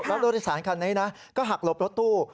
แล้วรถโดยสารคันนี้นะก็หักหลบรถตู้